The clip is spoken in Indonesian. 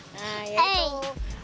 nah ya itu